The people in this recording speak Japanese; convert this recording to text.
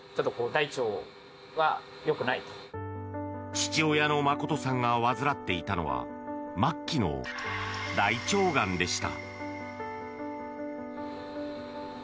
父親の眞さんが患っていたのは末期の大腸がんでした。